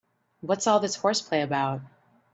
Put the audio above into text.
What's all this horseplay about?